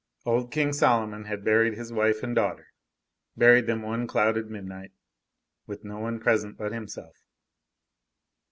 Old King Solomon had buried his wife and daughter, buried them one clouded midnight, with no one present but himself.